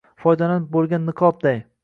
foydalanib boʼlgan niqobday